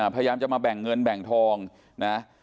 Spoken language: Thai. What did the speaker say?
พยายามจะมาแบ่งเงินแบ่งทองนะ